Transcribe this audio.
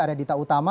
ada dita utama